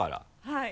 はい。